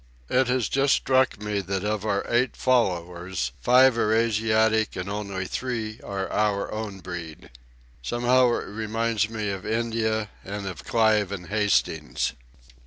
It has just struck me that of our eight followers five are Asiatic and only three are our own breed. Somehow it reminds me of India and of Clive and Hastings.